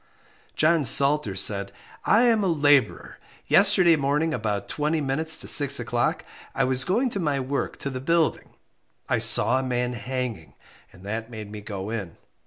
John Salter said I am a labourer; yesterday morning about twenty minutes to six o'clock, I was going to my work to the building, I saw a man hanging, and that made me go in.